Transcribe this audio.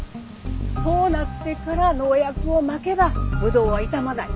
そうなってから農薬をまけばぶどうは傷まない。